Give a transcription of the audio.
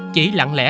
chỉ lặng lẽ